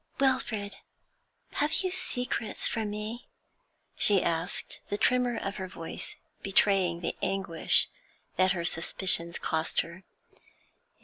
'Wilfrid, have you secrets from me?' she asked, the tremor of her voice betraying the anguish that her suspicions cost her.